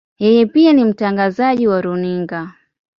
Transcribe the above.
Yeye pia ni mtangazaji wa runinga.